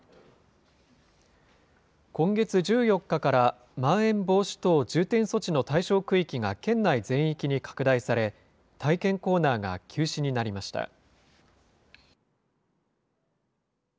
今月１４日から、まん延防止等重点措置の対象区域が県内全域に拡大され、体験コーナーが休止になりました。